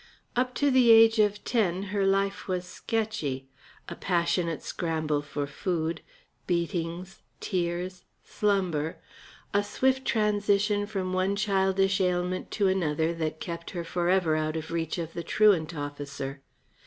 Up to the age of ten her life was sketchy. A passionate scramble for food, beatings, tears, slumber, a swift transition from one childish ailment to another that kept her forever out of reach of the truant officer.